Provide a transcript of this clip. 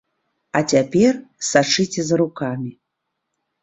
А цяпер сачыце за рукамі.